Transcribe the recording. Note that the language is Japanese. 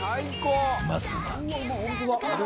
まずは